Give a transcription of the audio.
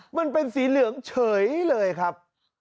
มันเป็นสีเหลืองเฉยเลยครับ